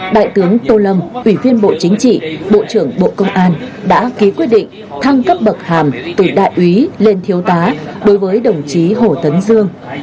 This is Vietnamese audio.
đại tướng tô lâm ủy viên bộ chính trị bộ trưởng bộ công an đã ký quyết định thăng cấp bậc hàm từ đại úy lên thiếu tá đối với đồng chí hồ tấn dương